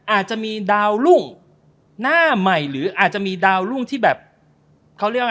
อาจมีดาวรุ้งที่เขาเรียกว่าอย่างไร